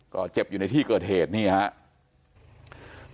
ก็เจ็บอยู่ในที่เกิดเหตุนี่ครับ